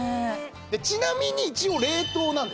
ちなみに一応冷凍なんですね。